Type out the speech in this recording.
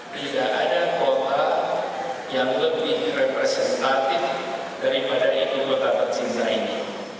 tidak ada kota yang lebih representatif daripada ibu kota tersisa ini